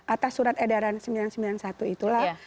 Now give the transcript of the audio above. atas surat edaran sembilan ratus sembilan puluh satu itulah